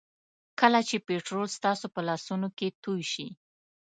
کله چې پټرول ستاسو په لاسونو کې توی شي.